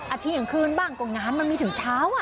อาทิตย์อย่างคืนบ้างก็งานมันมีถึงเช้า